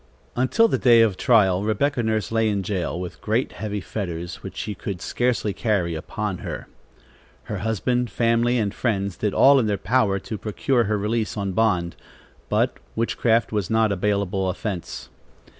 Until the day of trial, Rebecca Nurse lay in jail, with great, heavy fetters, which she could scarcely carry, upon her. Her husband, family and friends did all in their power to procure her release on bond; but witchcraft was not a bailable offence.